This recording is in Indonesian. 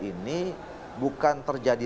ini bukan terjadi